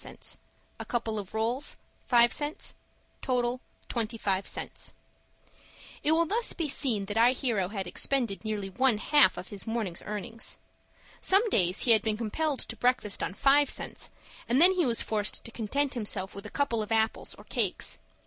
... 15 A couple of rolls, ....... 5 —25 cts. It will thus be seen that our hero had expended nearly one half of his morning's earnings. Some days he had been compelled to breakfast on five cents, and then he was forced to content himself with a couple of apples, or cakes.